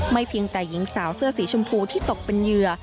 เพียงแต่หญิงสาวเสื้อสีชมพูที่ตกเป็นเหยื่อ